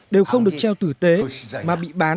đều không được treo tử tế mà bị bán